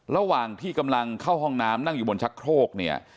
ระหว่างที่กำลังเข้าห้องน้ำนั่งอยู่บนชักโครกเนี่ย